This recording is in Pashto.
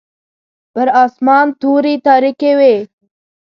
پر اسمان توري تاریکې وې.